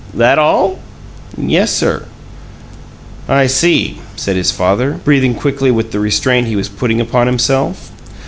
"That all?" "Yes, sir." "I see," said his father, breathing quickly with the restraint he was putting upon himself.